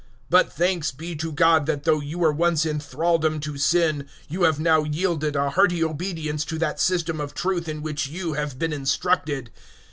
006:017 But thanks be to God that though you were once in thraldom to Sin, you have now yielded a hearty obedience to that system of truth in which you have been instructed.